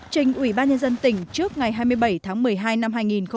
trình ubnd tỉnh trước ngày hai mươi bảy tháng một mươi hai năm hai nghìn một mươi bảy